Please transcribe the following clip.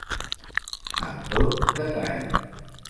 Amb tot detall.